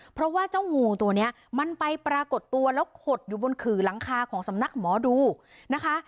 เพราะว่าเจ้างูตัวนี้มันไปปรากฏตัวแล้วขดอยู่บนขื่อหลังคาของสำนักหมอดูนะคะ